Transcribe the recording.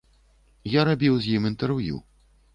Я рабіў з ім інтэрв'ю.